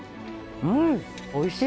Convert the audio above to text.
うんおいしい！